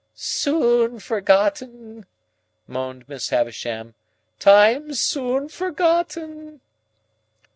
"Soon forgotten!" moaned Miss Havisham. "Times soon forgotten!"